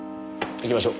行きましょう。